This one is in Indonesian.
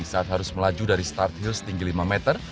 saat harus melaju dari start hill setinggi lima meter